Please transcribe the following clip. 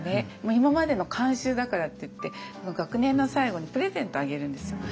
今までの慣習だからっていって学年の最後にプレゼントをあげるんですよ。